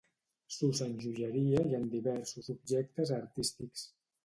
S'usa en joieria i en diversos objectes artístics.